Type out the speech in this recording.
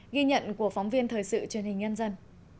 ghi nhận của phóng viên thời sự truyền hình nhân dân